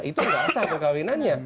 itu nggak sah perkawinannya